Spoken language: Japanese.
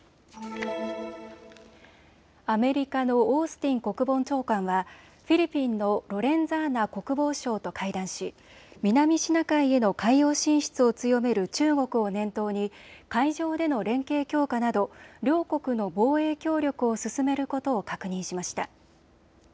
アメリカのオースティン国防長官はフィリピンのロレンザーナ国防相と会談し南シナ海への海洋進出を強める中国を念頭に海上での連携強化など両国の防衛協力を進めることを確認しました。